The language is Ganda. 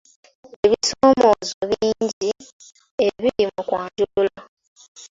Ebisoomoozo bingi ebiri mu kwanjula.